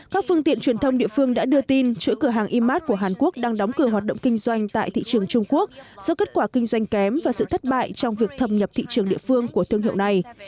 các phương tiện truyền thông địa phương đã đưa tin chuỗi cửa hàng imart của hàn quốc đang đóng cửa hoạt động kinh doanh tại thị trường trung quốc do kết quả kinh doanh kém và sự thất bại trong việc thâm nhập thị trường địa phương của thương hiệu này